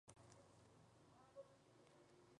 El píleo y la nuca de los machos es de color rojo.